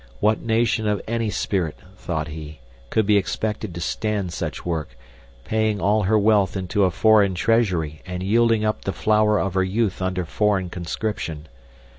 What nation of any spirit, thought he, could be expected to stand such work, paying all her wealth into a foreign treasury and yielding up the flower of her youth under foreign conscription.